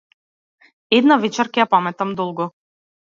Една вечер ќе ја паметам долго.